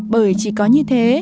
bởi chỉ có như thế